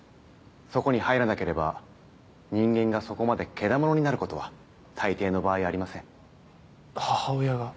そこに入らなければ人間がそこまでけだものになることは大抵の場合ありません母親が？